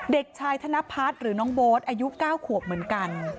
เด็กชายธนพัฒน์หรือน้องโบ๊ทอายุ๙ขวบเหมือนกัน